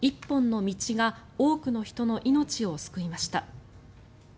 １本の道が多くの人の命を救いました。